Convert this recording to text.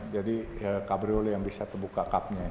jadi ya cabriolet yang bisa terbuka cupnya